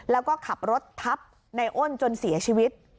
แล้วก็ขับรถทับในอ้นจนเสียชีวิต